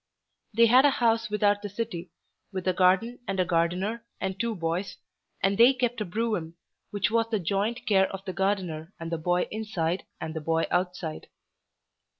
They had a house without the city, with a garden and a gardener and two boys, and they kept a brougham, which was the joint care of the gardener and the boy inside and the boy outside.